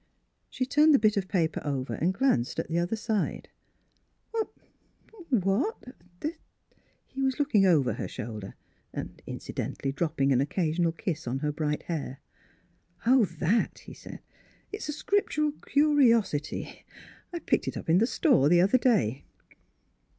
She turned the bit of paper over and glanced at the other side. "Why — what— ?" He was looking over her shoulder and incidentally dropping an occasional kiss on her bright hair. " Oh, that," he said, " is a Scriptural curiosity. I picked it up in the store the other day."